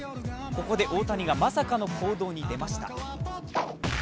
ここで大谷が、まさかの行動に出ました。